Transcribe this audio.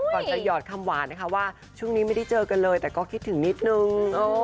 ก่อนจะหยอดคำหวานนะคะว่าช่วงนี้ไม่ได้เจอกันเลยแต่ก็คิดถึงนิดนึง